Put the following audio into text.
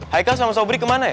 haikal sama sobri kemana ya